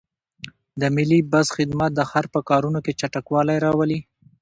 د ملي بس خدمات د ښار په کارونو کې چټکوالی راولي.